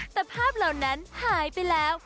แต่ภาพเหล่านั้นหายไปแล้ว